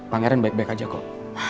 bang eran baik baik aja kok